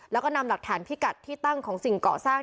แล้วก็นำหลักฐานพิกัดที่ตั้งของสิ่งเกาะสร้าง